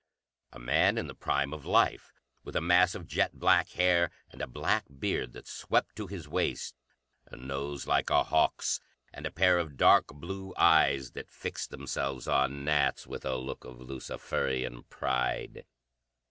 A man in the prime of life, with a mass of jet black hair and a black beard that swept to his waist, a nose like a hawk's, and a pair of dark blue eyes that fixed themselves on Nat's with a look of Luciferian pride.